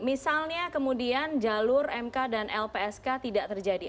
misalnya kemudian jalur mk dan lpsk tidak terjadi